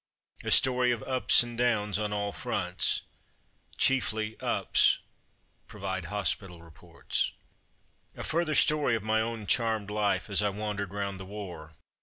A story of ''ups" and "downs'^ on all fronts (chiefly "ups, "— vide hospital reports). A further story of my own charmed life as I wandered round the war.